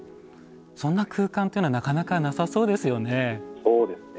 そんな空間というのはなかなか、なさそうですよね。